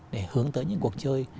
để hướng tới những cuộc chơi